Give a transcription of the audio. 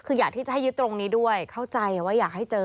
คืออยากที่จะให้ยึดตรงนี้ด้วยเข้าใจว่าอยากให้เจอ